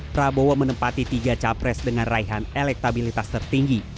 prabowo menempati tiga capres dengan raihan elektabilitas tertinggi